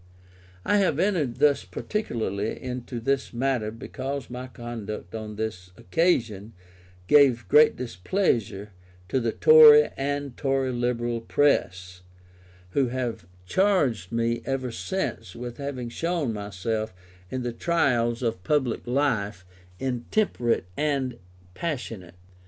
I have entered thus particularly into this matter because my conduct on this occasion gave great displeasure to the Tory and Tory Liberal press, who have charged me ever since with having shown myself, in the trials of public life, intemperate and passionate.